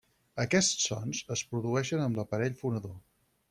Aquests sons es produeixen amb l'aparell fonador.